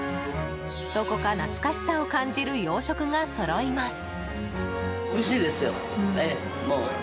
どこか懐かしさを感じる洋食がそろいます。